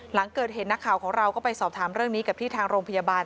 หลังเกิดเหตุนักข่าวของเราก็ไปสอบถามเรื่องนี้กับที่ทางโรงพยาบาล